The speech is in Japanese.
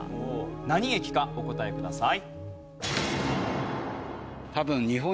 何駅かお答えください。